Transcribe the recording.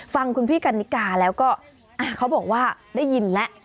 ฟังคุณพี่กันนิกาแล้วก็เขาบอกว่าได้ยินแล้ว